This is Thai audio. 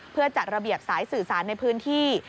เพื่อจัดระเบียบสายสื่อสารในพื้นที่